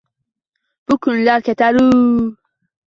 Bu kunlar ketar-u